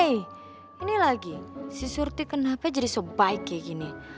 ini lagi si surti kenapa jadi sebaiknya gini